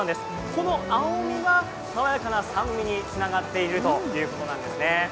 この青みが爽やかな酸味につながっているということなんですね。